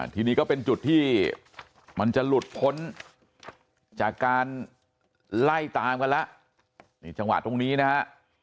ทีนี้ก็เป็นจุดที่มันจะหลุดพ้นจากการไล่ตามกันแล้วนี่จังหวะตรงนี้นะฮะ